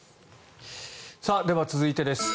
では、続いてです。